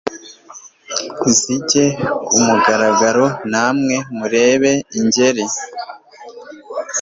Zijye ku mugaragaro Na mwe murebe Ingeri